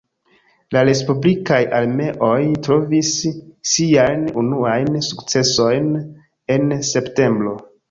La respublikaj armeoj trovis siajn unuajn sukcesojn en septembro.